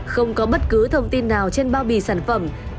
không có bất cứ thông tin nào trên bao bì sản phẩm